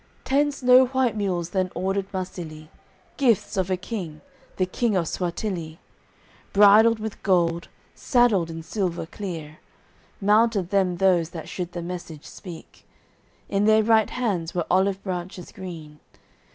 AOI. VII Ten snow white mules then ordered Marsilie, Gifts of a King, the King of Suatilie. Bridled with gold, saddled in silver clear; Mounted them those that should the message speak, In their right hands were olive branches green.